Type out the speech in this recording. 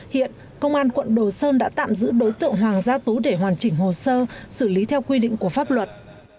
hiện công an quận đồ sơn đã tạm giữ đối tượng hoàng gia tú để hoàn chỉnh hồ sơ xử lý theo quy định của pháp luật